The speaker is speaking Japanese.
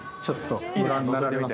いいですか？